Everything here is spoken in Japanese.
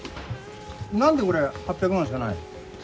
なんでこれ８００万しかないの？